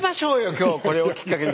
今日これをきっかけに。